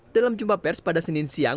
dalam jumpa pers pada senin siang